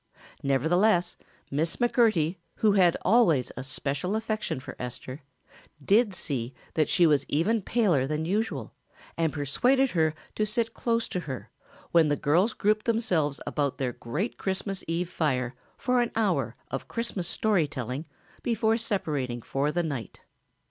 Nevertheless, Miss McMurtry, who had always a special affection for Esther, did see that she was even paler than usual and persuaded her to sit close to her when the girls grouped themselves about their great Christmas eve fire for an hour of Christmas story telling before separating for the night.